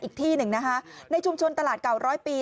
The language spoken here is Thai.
อีกที่หนึ่งนะคะในชุมชนตลาดเก่าร้อยปี